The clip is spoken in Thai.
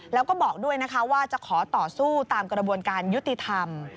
แล้วก็บอกด้วยนะคะว่าจะขอต่อสู้ตามกระบวนการยุติธรรม